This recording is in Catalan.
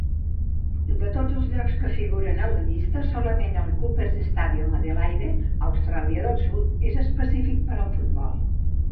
De tots els llocs que figuren a la llista, solament el Coopers Stadium a Adelaide, Austràlia del Sud, és l'específic per al futbol.